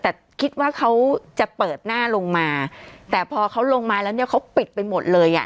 แต่คิดว่าเขาจะเปิดหน้าลงมาแต่พอเขาลงมาแล้วเนี่ยเขาปิดไปหมดเลยอ่ะ